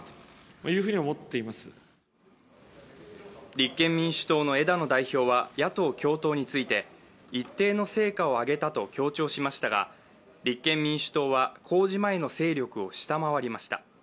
立憲民主党の枝野代表は野党共闘について一定の成果を挙げたと強調しましたが立憲民主党は公示前の勢力を下回りました。